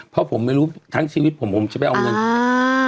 เพราะผมไม่รู้ทั้งชีวิตผมผมจะไปเอาเงินอ่า